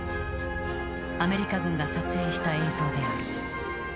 アメリカ軍が撮影した映像である。